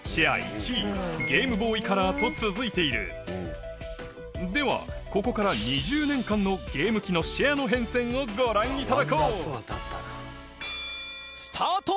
１位ゲームボーイカラーと続いているではここから２０年間のゲーム機のシェアの変遷をご覧いただこうさぁ